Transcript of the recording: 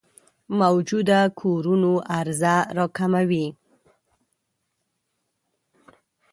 موجوده کورونو عرضه راکموي.